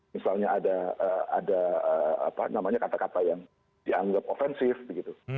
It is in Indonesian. misalnya ada ada apa namanya kata kata yang dianggap ofensif gitu